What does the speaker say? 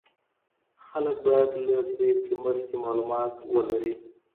خلک باید له پریکړې مخکې معلومات ولري.